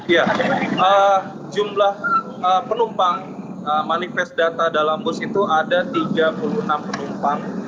ya jumlah penumpang manifest data dalam bus itu ada tiga puluh enam penumpang